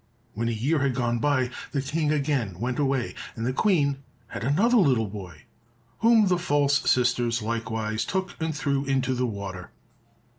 When a year had gone by, the King again went away, and the Queen had another little boy, whom the false sisters likewise took and threw into the water.